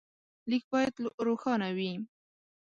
لیک باید روښانه وي.